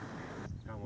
bên cạnh đó bang